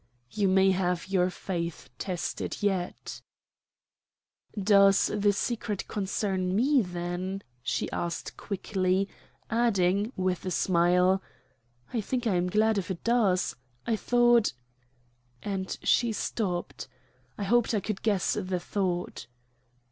"You may have your faith tested yet." "Does the secret concern me, then?" she asked quickly, adding, with a smile, "I think I am glad if it does. I thought " And she stopped. I hoped I could guess the thought.